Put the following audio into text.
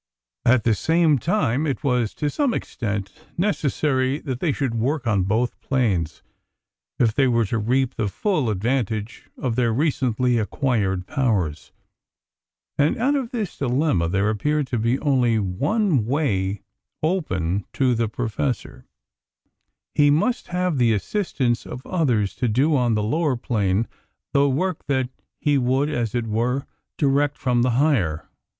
At the same time, it was to some extent necessary that they should work on both planes if they were to reap the full advantage of their recently acquired powers, and out of this dilemma there appeared to be only one way open to the Professor: he must have the assistance of others to do on the lower plane the work that he would, as it were, direct from the higher.